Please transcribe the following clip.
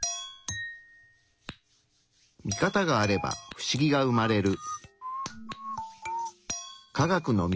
見方があれば不思議が生まれる。